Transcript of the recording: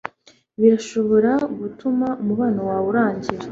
birashobora gutuma umubano wawe urangira